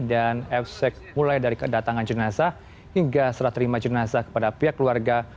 dan fsec mulai dari kedatangan jenazah hingga serah terima jenazah kepada pihak keluarga